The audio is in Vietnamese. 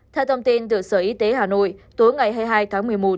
theo thông tin từ sở y tế hà nội tối ngày hai mươi hai tháng một mươi một